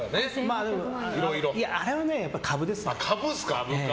あれはね、株ですね。